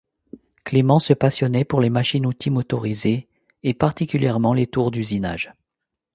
Clement se passionnait pour les machines-outils motorisées, et particulièrement les tours d'usinage.